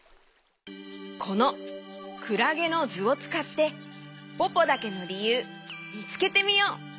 このクラゲのずをつかってポポだけのりゆうみつけてみよう！